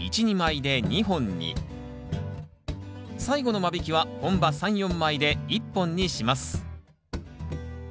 最後の間引きは本葉３４枚で１本にします。